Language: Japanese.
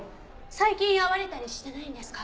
最近会われたりしてないんですか？